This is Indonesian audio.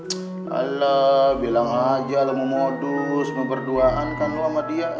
ck ala bilang aja lo mau modus mau berduaan kan lo sama dia